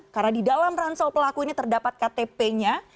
karena di dalam ransel pelaku ini terdapat ktp nya